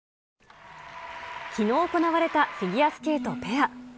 きのう行われたフィギュアスケートペア。